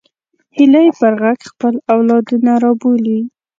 هیلۍ پر غږ خپل اولادونه رابولي